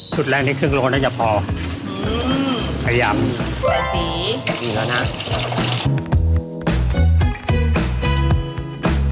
ชุดแรงนิดสี่กรมน่ะจะพออืมพยายามดูสีถึงอีกแล้วน่ะ